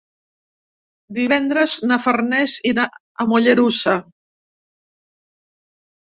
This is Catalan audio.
Divendres na Farners irà a Mollerussa.